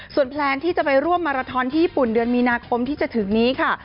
แพลนที่จะไปร่วมมาราทอนที่ญี่ปุ่นเดือนมีนาคมที่จะถึงนี้ค่ะ